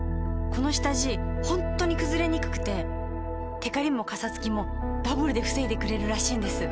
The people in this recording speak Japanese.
この下地ホントにくずれにくくてテカリもカサつきもダブルで防いでくれるらしいんです。